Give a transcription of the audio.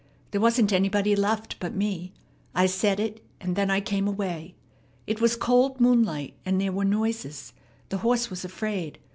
There wasn't anybody left but me. I said it, and then I came away. It was cold moonlight, and there were noises. The horse was afraid.